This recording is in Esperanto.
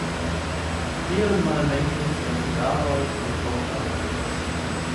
Tie malvenkis la hungaroj kontraŭ francoj.